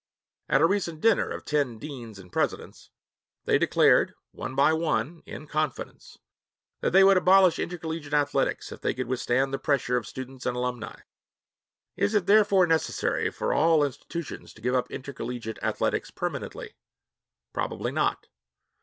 At a recent dinner of ten deans and presidents, they declared, one by one, in confidence, that they would abolish intercollegiate athletics if they could withstand the pressure of students and alumni. Is it therefore necessary for all institutions to give up intercollegiate athletics permanently? Probably not.